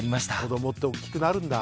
子どもって大きくなるんだ。